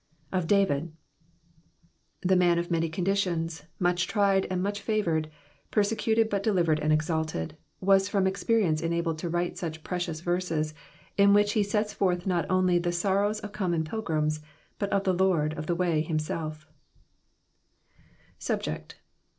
Of David. The man of many conditions, much tried and much favoured, persecuted tmt delivered and exalted, vxisfrom experience enabled to vorite such precious verses in which he sets forth rwt only the sorrows of cotnmon pilgrims, but of the Lord of the way himself Subject.